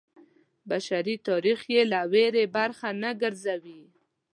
بشري تاریخ یې له ویرې برخه نه ګرځوي.